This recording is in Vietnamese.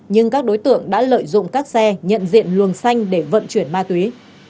nhưng các đối tượng đã lợi dụng các xe nhận diện luồng xanh để vận chuyển ma túy